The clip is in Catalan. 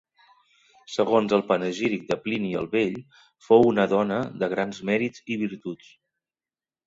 Segons el panegíric de Plini el Vell fou una dona de grans mèrits i virtuts.